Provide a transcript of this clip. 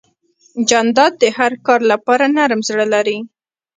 جانداد د هر کار لپاره نرم زړه لري.